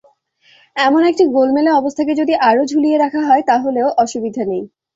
এমন একটি গোলমেলে অবস্থাকে যদি আরও ঝুলিয়ে রাখা হয়, তাহলেও অসুবিধা নেই।